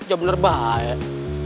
jangan bener baik